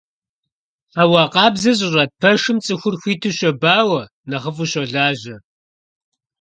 Хьэуа къабзэ зыщӀэт пэшым цӀыхур хуиту щобауэ, нэхъыфӀу щолажьэ.